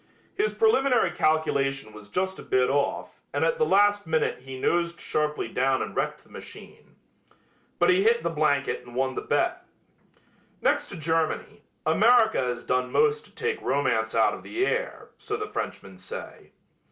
His preliminary calculation was just a bit off and at the last minute he nosed sharply down and wrecked the machine. But he hit the blanket and won the bet. Next to Germany, America has done most to take romance out of the air, so the Frenchmen say.